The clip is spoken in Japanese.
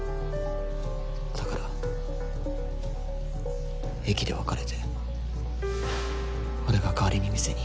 だから駅で別れて俺が代わりに店に。